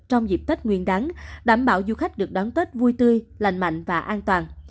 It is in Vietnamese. trong dịp tết nguyên đáng đảm bảo du khách được đón tết vui tươi lành mạnh và an toàn